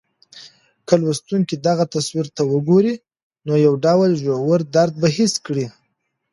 که لوستونکی دغه تصویر ته وګوري، نو یو ډول ژور درد به حس کړي.